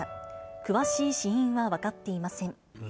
詳しい死因は分かっていません。